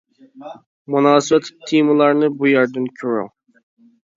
مۇناسىۋەتلىك تېمىلارنى بۇ يەر دىن كۆرۈڭ.